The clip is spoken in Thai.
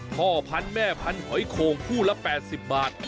พ่อพันธุ์แม่พันธอยโข่งคู่ละ๘๐บาท